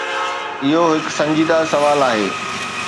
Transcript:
اهو هڪ سنجيده سوال آهي.